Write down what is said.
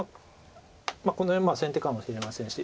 この辺まあ先手かもしれませんし。